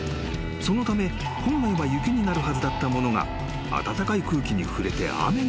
［そのため本来は雪になるはずだったものが暖かい空気に触れて雨になった］